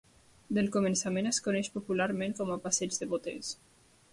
Del començament es coneix popularment com a Passeig de Boters.